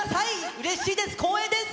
うれしいです、光栄です。